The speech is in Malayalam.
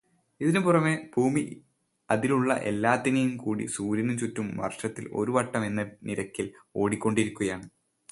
ഇതിനുപുറമെ ഭൂമി അതിലുള്ള എല്ലാത്തിനെയും കൂട്ടി സൂര്യനു ചുറ്റും വർഷത്തിൽ ഒരു വട്ടം എന്ന നിരക്കിൽ ഓടിക്കൊണ്ടിരിക്കുകയാണ്.